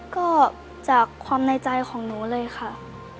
ก็จากความในใจของหนูเลยค่ะ